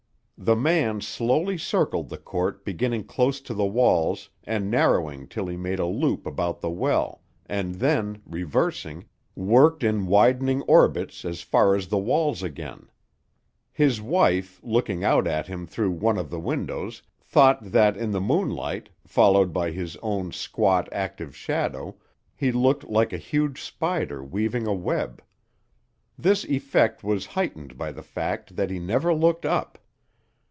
The man slowly circled the court beginning close to the walls and narrowing till he made a loop about the well, and then, reversing, worked in widening orbits as far as the walls again. His wife, looking out at him through one of the windows, thought that, in the moonlight, followed by his own squat, active shadow, he looked like a huge spider weaving a web. This effect was heightened by the fact that he never looked up.